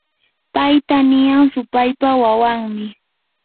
payta niyan supaypa wawanmi.